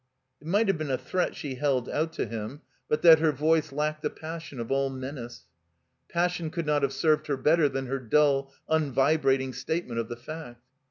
It might have been a threat she held out to him 389 •> THE COMBINED MAZE but that her voice lacked the passion of all menace. Passion could not have served her better than her dull, unvibrating statement of the fact.